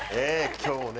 今日ね